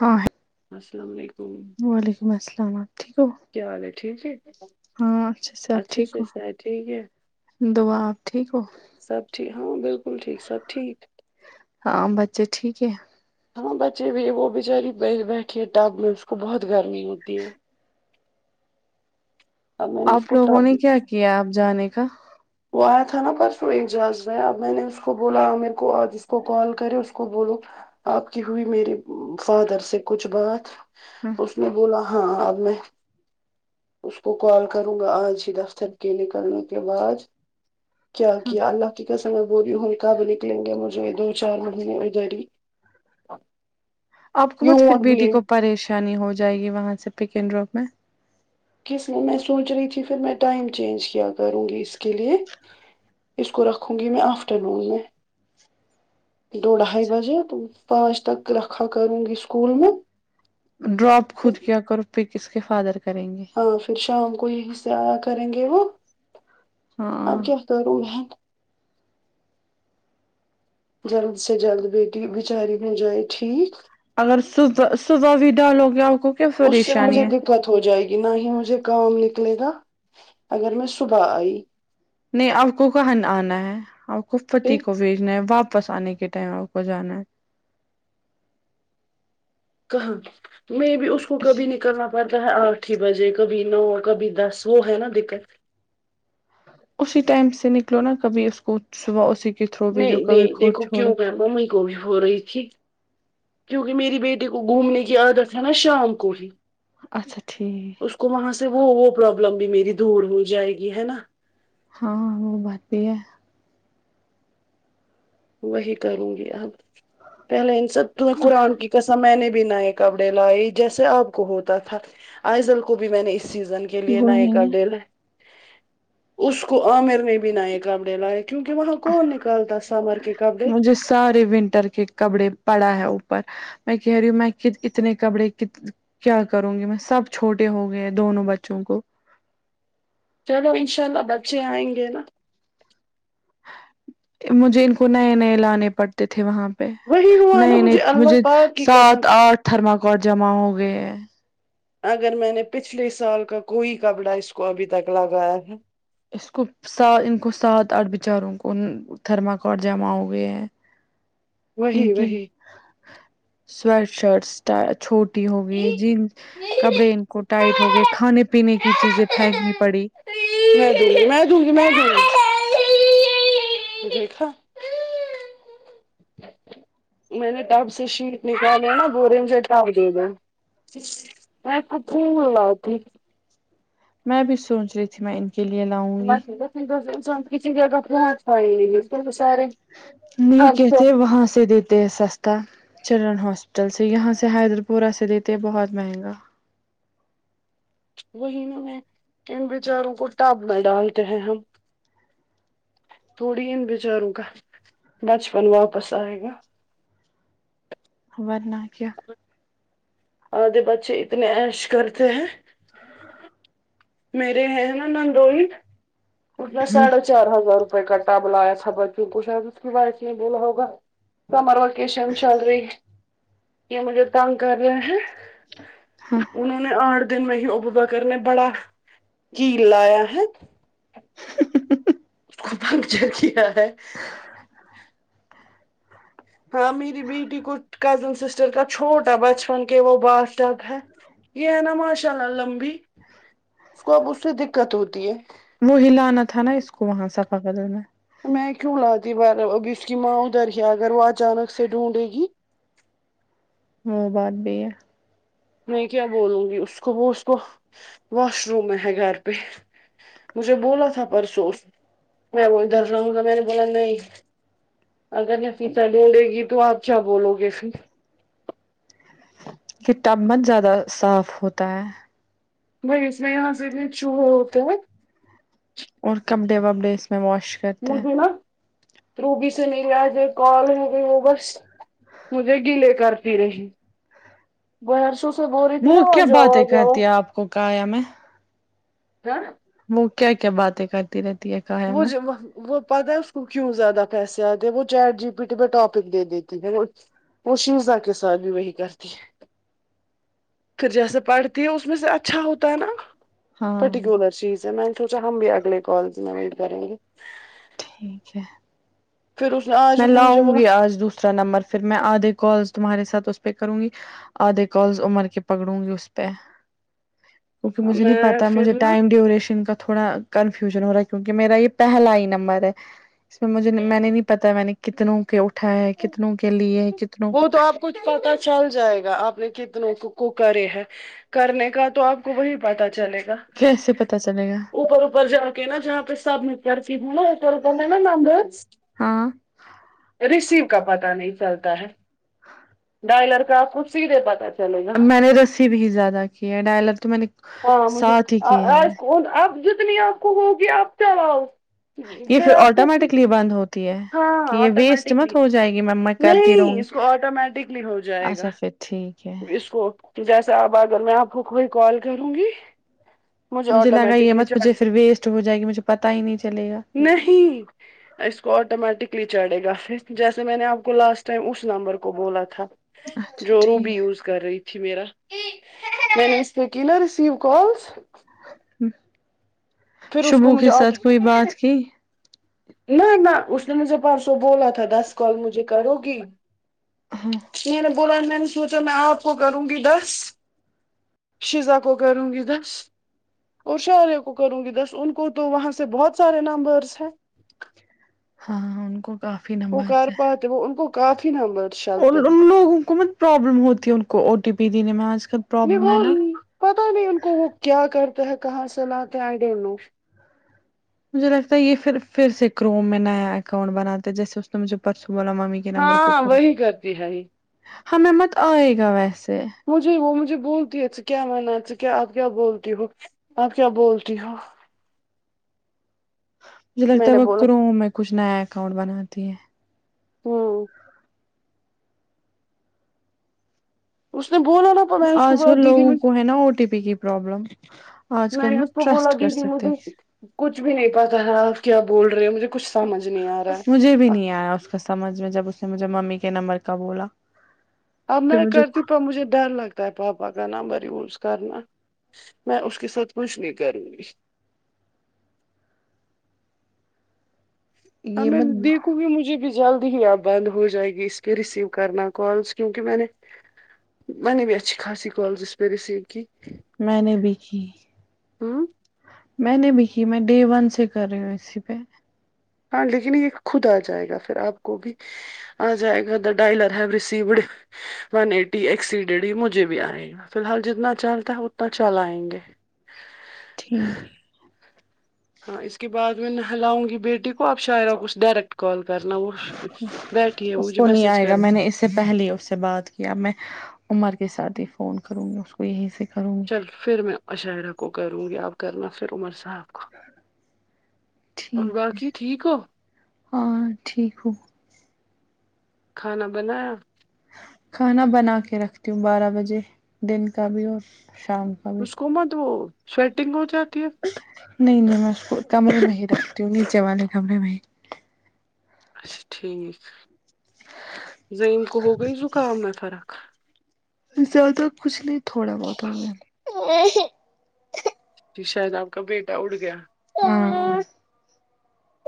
ہاں السلام علیکم وعلیکم السلام آپ ٹھیک ہو کیا حال ہے ٹھیک ہے ہاں اچھے سے آپ ٹھیک ہو صحت ٹھیک ہے دعا آپ ٹھیک ہو سب ٹھیک ہاں بالکل ٹھیک سب ٹھیک ہاں بچے ٹھیک ہے ہاں بچے بھی وہ بچاری بیٹھی ہے ٹپ میں اس کو بہت گرمی ہوتی ہے اب میں نے آپ اس کو لوگوں ٹب نے کیا کیا آپ جانے کا وہیا تھا نا پرسوں ایک جاز رہا اب میں نے اس کو بولا میرے کو جس کو کال کرے اس کو بولو آپ کی ہوئی میری فادر سے کچھ بات ہاں اس نے بولا ہاں اب میں اس کو کال کروں گا آج ہی دفتر کے نکلنے کے بعد کیا ہاں کیا اللہ کی کسم بوی ہووں کاب نکلیں گے مجھے جو دو چار مہینے دو ا آپ کو مت پھر بیٹی کو پریشانی ہو جائے گی وہاں سے پکن روگ میں کس میں سوچ رہی تھی پھر میں ٹائم چینج کیا کروں گی اس کے لیے اس کو رکھوں گی میں افٹر نون میں دو ڈھائی بجے تو پانچ تک رکھا کروں گی اسکول میں ڈراپ خود کیا کر پک اس کے فادر کریں گے ہاں پھر شام کو یہی سے کریں گے وہ ہاں ہاں [unintelligible] جلد سے جلد بیٹی بیچاری بھی جائے ٹھیک اگر صبح صبح بھی ڈالو گے آپ کو کیا اس سے پریشانی مجھے د ہے دقت ہو جائے گی نہ ہی مجھے کام نکلے گا اگر میں صبح آئی نہیں آپ کو کہاں آنا ہے آپ کو پتی پھر کو بھیجنا ہے واپس آنے کے ٹائم آپ کو کو جانا ہے کہاں میں بھی اس کو ہے کبھی نہیں کرنا مطلب آٹھ ہی بجے کبھی نو کبھی دس وہ ہے نا دقت اسی ٹائم سے نکلو نا کبھی اس کو صبح اسی کے تھرو بھیجو نہیں کبھی نہیں خود دیکھو چھوڑو کیوں میں ممی کو بھی ہو رہی تھی کیونکہ میری بیٹی کو گھومنے کی عادت ہے نا شام کو ہی اچھا ٹھیک اس کو وہاں سے وہ وہ پروابلم بھی میری دور ہو جائے گی ہے نا ہاں وہ بات بھی ہے وہی کروں گی اب پہلے ان سب قرآن کی قسم میں نے بھی نہ ایک کپڑے لائے جیسے آپ کو ہوتا تھا آئزل کو بھی میں نے اس سیزن کے لیے نئے وہی نا کپڑے لے اس کو عامر نے بھی نئے کپڑے لائے کیونکہ وہاں کون نکالتا عمر کے کپڑے جو سارے ونٹر کے کپڑے پڑا ہے اوپر میں کہہ رہی ہوں میں اتنے کپڑے کیا کروں گی میں سب چھوٹے ہو گئے دونوں بچوں کو چلو انشاء اللہ بچے آئیں گے نا مجھے ان کو نئے نئے لانے پڑتے تھے وہاں وہی ہوا نا نئے نئے اللہ مجھے پاک کی قسم سات اٹھ تھرما کارڈ جمع ہو گئے ہیں اگر میں نے پچھلے سال کا کوئی کپڑا اس کو ابھی تک لگایا تھا اس کو سات ان کو سات آٹھ بچاروں کو تھرما کارڈ جمع ہوگئے ہیں ان وہی کی وہی سویٹ شرٹس چھوٹی ہوگئی جینز کپڑے ان کو ٹائٹ ہو گئے کھانے پینے کی چیزیں پھینکنی پڑی [inaudible] میں نے ٹب سے شیٹ نکالیا نا بول رہے ہیں مجھے ٹب دے دو [inaudible] میں بھی سوچ رہی تھی میں ان کے لیے لاؤں گی [inaudible] سارے نہیں خرچ کہتے وہاں سے دیتے ہیں سستا تا چلڈرن ہاسپٹل سے یہاں سے حیدر پورہ سے دیتے ہیں بہت مہنگا وہی نہ ہے ان بیچاروں کو ٹپ میں ڈالتے ہیں ہم تھوڑی ان بیچاروں کا بچپن واپس آئے گا ورنہ کیا بچ [unintelligible] آدھے بچے اتنے عیش کرتے ہیں میرے ہیں نا نندوہی چار ہزار روپئے کا ٹب لایا تھا بچوں کو شاید اس کے وائف نے بولا ہوگا سمر وکیشن سمر وکیشن چل رہی یہ مجھے تنگ کر رہے ہیں انہوں نے اٹھ دن میں ہی ابو بکر نے بڑا کیل لایا ہے [inaudible] اس کو پنکچر کیا ہے ہاں میری بیٹی کو کزن سسٹر کا چھوٹا بچپن کے وہ بھات ٹب ہے یہ ہے نا ماشاء اللہ لمبی اس کو اب اس سے دقت ہوتی ہے وہی لانا تھا نا اس کو وہاں سفا کدل میں میں کیوں لاتی بار اب اس کی ماں ادھر ہی اگر وہ اچانک سے ڈھونڈے گی وہ بات بھی ہے میں کیا بولوں گی اس کو وہ اس کو واش روم میں ہے گھر پہ مجھے بولا تھا پرسو اس نے میں وہ ادھر لاؤں گا میں نے بولا نہیں اگر نفیسہ ڈھونڈے گی تو اپ کیا بولو گے پھر ٹب مت زیادہ صاف ہوتا ہے ب اس میں یہاں سے چ ہو تو اور کپڈے وپڑے اس میں واش کرتے ہیں وہی نا روبی سے میری اج ایک کال ہو گئی تو وہ بس مجھے گیلے کرتی رہی بر سو سو بوری تھی نا وہ کیا آجؤ باتیں آجؤ کرتی ہے آپ کو کایا میں ک وہ کیا کیا باتیں کرتی رہتی کاا وہ جو وہ پت ہے اس کو کیوں زیادہ پیسے آتے ہیں وہ چیٹ جی پی ٹی میں ٹاپک دے دیتی ہے وہ وہ شیزا کے ساتھ بھی وہی کرتی ہے پھر جیسے پڑھتی ہے اس میں سے اچھا ہوتا ہے نا ہاں پرٹیکولر چیز ہے میں نے سوچا ہم بھی اگلے کالز میں ویٹ کریں گے ٹھیک ہے پھر اس میں اس نے مجھے لاؤں گی بولا آج دوسر نمبر پھر میں آدھے کال تمہارے ساتھ اس پہ کروں گی آدھے کالز عمر کے پکڑوں گی اس پہ کیونکہ مجھے نہیں میں پتا مجھے پھر نا ٹائم ڈیوریشن کا تھوڑا کنفیوژن ہو رہا ہے کیونکہ میرا یہ پہلا ہی نمبر ہے اس میں مجھے میں نے تا میں نے کتنوں کے اٹھاائے ہے کتنوں کے لیے ہیں کتنوں کچھ پتا چل جائے گا آپ نے کتنوں کو کرے ہیں کرنے کا تو آپ کو وہی پت چلے گا کیسے پتا چلے گا اوپر اوپر جا نہ جہاں پہ سب م کر کے ہےا ایک تو ہے نا ممبر ہاں ریسیو کا پتتا نہیں چلتا ہے ہاں ڈائلر کا آپ کو سیدھے پتا چلے گا میں نے رسی بھی زیادہ کی ہے ڈائلر تو میں نے ہاں مجھے ساتھ ہی کیے ہیں آپ جوتنی آپ کو ہوگی آپ چلاؤ یہ پھر آپ کو آٹومیٹکلی بند ہوتا کہ ہاں یہ ویسٹ مت آٹومیٹکلی ہو جائے گی م میں کرتی رہوں نہیں گی اس کو آٹومیٹکلی ہو جائے گا اچھا پھر ٹھیک ہے اس کو جیسا اب اگر میں آپ کو کوئی کال کروں گی مجھے لگا یہ آٹومیٹکلی مت کجھے چارج پھر ویسٹ ہو جائے گی مجھے پتا ہی نہیں چل گا نہیں اس کو آٹومیٹکلی چڑھے گا پھر جیسے میں نے آپ کو لاسٹ ٹائم اس نمبر کو بولا تھا اچھا جورو ٹھیک کر رہی تھی میرا میں نے اس کو کی نا رسیو کالس ہ پھر اس کو شبو مجھے کے آٹ ساتھ کوئی بات کی نہیں نہ اس نے مجھے پرسوں بولا تھا دس کال مجھے کرو گی ہاں میں نے بولا میں نے سوچا میں آپ کو کروں گی دس شیزا کو کروں گی دس اور شارے کو کروں گی دس ان کو تو وہاں سے بہت سارے نمبرس ہیں ہاں ہاں ان کو کافی وہ کر نمبرس ہیں پاتے وہ ان کو کافی نبر اور لوگوں کو مت پرابلم ہوتی ہے ان کو او ٹی پی دینے میں آج کل نہیں پرابلم وہ ہے نا پتا نہیں ان کو وہ کیا کرتے ہیں کہاں سے لاتے ہیں آئی ڈونٹ نو مجھے لگتا ہے یہ پھر پھر سے کروم میں نیا اکاؤنٹ بناتے جیسے اس نے مجھے پرسوں بولا ممی نمبر کے ہاں اوپر وہی کرتی ہے یہ ہمیں مت آئے گا ویسے مجھے وہ مجھے بولتی ا کیا مانا کیا آپ کیا بولتی ہو آپ کیا بولتی ہو مجھے میں لگتا ہے نے وہ بولا کروم میں کچھ نیا اکاؤنٹ بناتی ہے ہاں اس نے بولا نا میں اس کو آج بولا کل دیدی لوگوں کو مجھے ہے نا او ٹی پی کی پروابلم میں نے اس کو بولا کی کہ مجھے کچھ بھی نہیں پتا تھا آپ کیا بول رہے ہو مجھے کچھ سمجھ نہیں آ رہا ہے مجھے بھی نہیں آیا اس کا سمجھ میں جب اس نے مجھے ممی کے نمبر کا بولا اب پھر میں مجھے کرتی پر مجھے ڈر لگ تا پاپا کا نام مریوز کرنا میں اس کے ساتھ کچھ نہیں کروں گی ا یہ میں مت د کو بھی مجے بھی جلدی ہی اب بند ہو جائے گی اس پہ ریسیو کرنا کالس کیونکہ میں نے ونے بھی میں اچھی خاصال جس پ رسسیو کی میں نے بھی کی ہوں میں نے بھی کی میں ڈے ون سے کر رہی ہوں اسی پہ ہاں لیکن یہ خود آ جائے گا پھر آپ کو بھی آ جائے گا ادر ڈائلر ہے بسی بڑ ون ایٹی ایک س ڈی ڈی مجھے بھی آے گا فی الحال جتنا چلتا ہے اتنا چل آئیں گے ٹھیک ہے ہاں اس کے بعد میں نہلاؤں گی بیٹی کو اب شاعرا کچھ ڈائریکٹ کال کرنا وہ [unintelligible] بیٹھی ہے وہ اس مجھے کو نہیں میسج آئے گا کر میں نے اس سے پہل اس سے بات کیا میں عمر کے ساتھ ہی فون کروں گی اس کو یہی سے کروں گی چل پھر میں عشاعرہ کو کروں گی اب کرنا پھر عمر صاحب کو اور ٹھیک ہے باقی ٹھیک ہو ہاں ٹھیک ہو کھانا بنایا [unintelligible] کھانا بنا کے رکھتی ہوں بارہ بجے دن کا بھی اور شام کا بھی اسکومت وہ سویٹنگ ہو جاتی ہے پھر نہیں نہیں میں اس کو کمرے میں رکھتی ہوں نیچے والے کمرے میں اچھا ٹھیک زم کہو گئی زکام میںہ فرق زیادہ کچھ نہیں تھوڑا بہت ہو گیا شاید آپ کا بیٹا اڑ گیا ہاں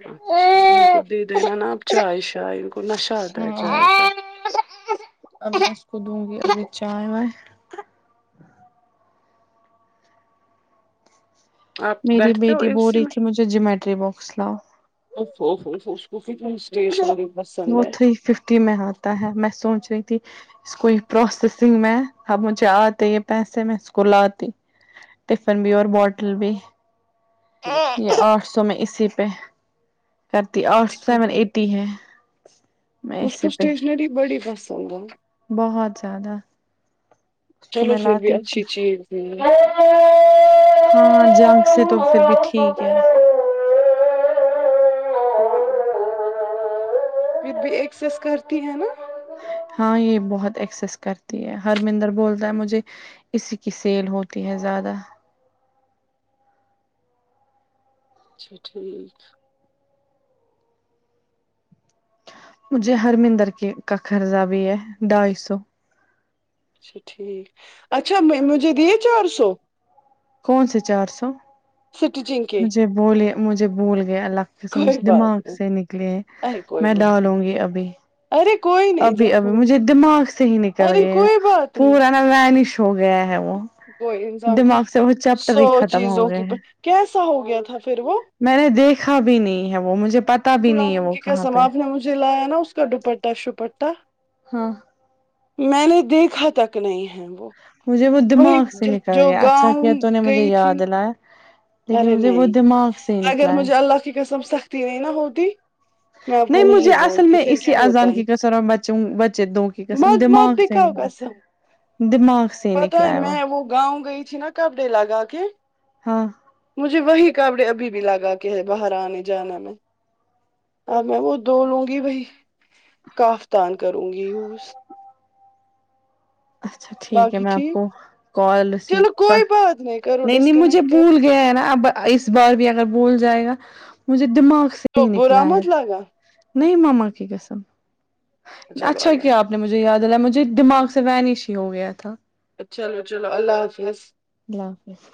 اچھا ان کو دے دینا نا آب چائے شائے ان کو نش ہ اب اس کو دوں گی ابھی چائے وائے آپ میری بیٹھتے ہو بیٹی اے بول سی رہی میں تھی مجھے جیومیٹری باکس لا ا ف اس کوف ت اسٹیشن پسند ہے [unintelligible] کی میں آتا ہے میں سوچ رہی تھی اس کو پروسیسنگ میں اب مجھے آتے یہ پیسے میں اس کو لاتی ٹفن بھی اور بوٹل بھی یہ آٹھ سو میں اسی پہ کرتی آٹھ سیون ایٹی ہے میں ایسے پہ ری بڑی پسند ہے بہت زیادہ اس کو میں لات ج ہاں جنگ سے تو پھر بھی ٹھیک ہے یہ بھی ایکسس کرتی ہیں نا ہاں یہ بہت ایکسس کرتی ہے ہرمندر بولتا ہے مجھے اسی کی سیل ہوتی ہے زیادہ اچھا ٹھیک مجھے ہرمندر کے کا قرضہ بھی ہے ڈھائی سو اچھا ٹھیک اچھا مجھے دیے چار سو کون سے چار سو سٹی جنک مجھے بولے مجھے بول گیا اللہ کے سمجھ کوئی بات دماغ نہیں سے نکلے ارے کوئی میں بات نہیں ڈالالوں گی ابھی ارے کوئی نہیں ابھی جب ابھی ہوں مجھے دماغ سے ہی نکل ارے گئے کوئی بات پورا نہیں ن لانش ہو گیا ہے وہ کوئی انسان کو دماغ سے وہ چیپٹر سو ہی ختم ہو چیزوں گئے کی ہیں کیسا ہو گیا تھا پھر وہ میں نے دیکھا بھی نہیں ہے وہ مجھے پتا ک بھی نہیں ہے وہ منکی کا کہاں پہ سماپنا مجھے لایا نا اس کا دپٹا سپٹٹا ہاں میں نے دیکھا تک نہیں ہے وہ مجھے وہ وہی دماغ سے جو گاؤں گئی تھی نہ ارے نہیں اگر ہے مجھے اللہ کی قسم سختی نہیں ن ہوتی میں آپ نہیں کو مجھے اصل بولتی میں پھر کیا اسی اذان کی کثر بچے دووں مز مز دکھ قسم دماغ سے پتاہ ہے میں وہ گاؤں گئی تھی نا کپڑے لگا کے ہاں مجھے وہی کاپڑے ابھی بھی لگا کے ہے باہر آنے جانے میں اب میں وہ دو لوں گی بھائی کافتان کروں گی یز اچھا ٹھیک ہے میں آپ کو کال ریسیو چلو کر کوئی بات کرو نہیں نہیں مجھے ڈسکنیکٹ کر بھول گیا ہے نا اب اس بار بھی اگر بول جائے گا مجھے دماغ سے ہی تو برا نکلا ہے مت لگا نہیں مما کی گسم چلو اچھا کیا اللہ آپ نے مجھے یاد دلایا مجھے دماغ سے وینش ہی ہو گیا تھا چلو چلو اللہ حافظ اللہ حافظ